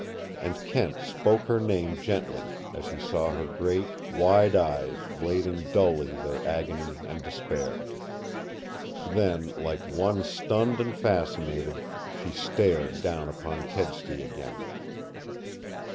And Kent spoke her name gently as he saw her great, wide eyes blazing dully their agony and despair. Then, like one stunned and fascinated, she stared down upon Kedsty again.